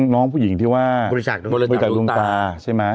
น้องผู้หญิงที่ว่าบริจาคลุงตาใช่ไหม